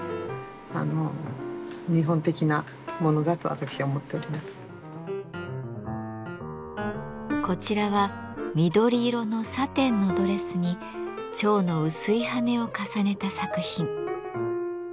私にとって私はこちらは緑色のサテンのドレスに蝶の薄い羽を重ねた作品。